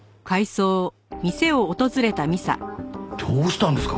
どうしたんですか？